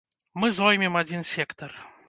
Мы зоймем адзін сектар.